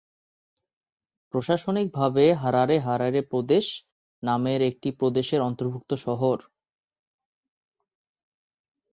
প্রশাসনিক ভাবে Harare Harare প্রদেশ নামের একটি প্রদেশের অন্তর্ভুক্ত শহর।